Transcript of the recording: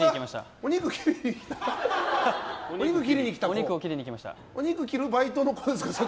お肉を切るバイトの方ですか？